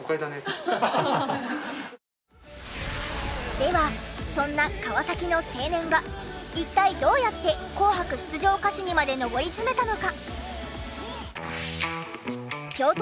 ではそんな川崎の青年が一体どうやって『紅白』出場歌手にまで上り詰めたのか？